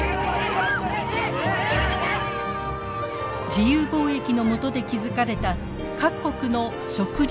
自由貿易のもとで築かれた各国の食料安全保障。